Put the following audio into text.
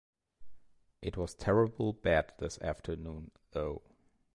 It was terrible bad this afternoon, though.